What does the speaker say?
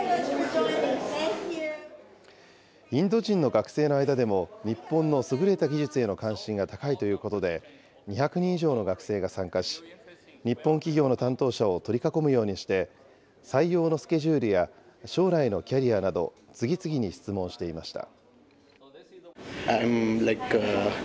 インド人の学生の間でも、日本の優れた技術への関心が高いということで、２００人以上の学生が参加し、日本企業の担当者を取り囲むようにして、採用のスケジュールや、将来のキャリアなど、次々に質問していました。